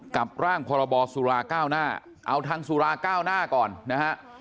กับร่างพรบสุราเก้าหน้าเอาทางสุราก้าวหน้าก่อนนะฮะ